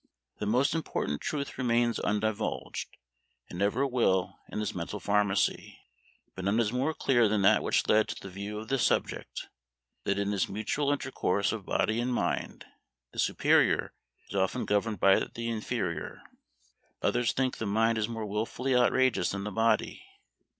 The most important truth remains undivulged, and ever will in this mental pharmacy; but none is more clear than that which led to the view of this subject, that in this mutual intercourse of body and mind the superior is often governed by the inferior; others think the mind is more wilfully outrageous than the body.